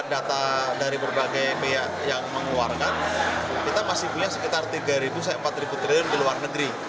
data dari berbagai pihak yang mengeluarkan kita masih punya sekitar tiga sampai empat triliun di luar negeri